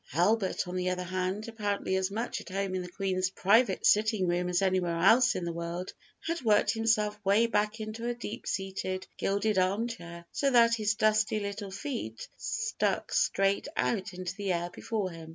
Albert, on the other hand, apparently as much at home in the Queen's private sitting room as anywhere else in the world, had worked himself way back into a deep seated, gilded armchair, so that his dusty little feet stuck straight out into the air before him.